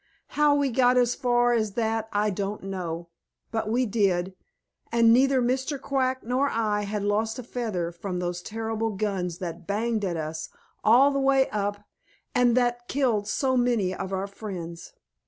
How we got as far as that I don't know. But we did, and neither Mr. Quack nor I had lost a feather from those terrible guns that had banged at us all the way up and that had killed so many of our friends.